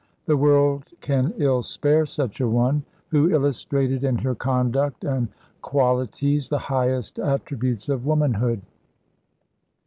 The world can ill spare such a one, who illustrated in her conduct and qualities the highest attributes of womanhood.